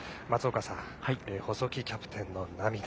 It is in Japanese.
松岡さん、細木キャプテンの涙。